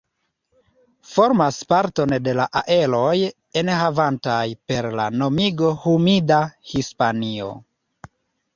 Formas parton de la areoj enhavantaj per la nomigo "humida Hispanio".